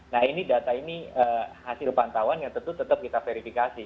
nah ini data ini hasil pantauan yang tentu tetap kita verifikasi